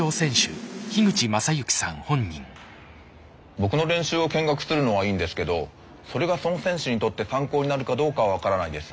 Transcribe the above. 僕の練習を見学するのはいいんですけどそれがその選手にとって参考になるかどうかは分からないです。